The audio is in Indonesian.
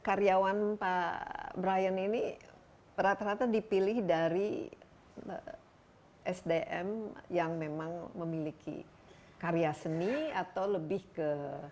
karyawan pak brian ini rata rata dipilih dari sdm yang memang memiliki karya seni atau lebih ke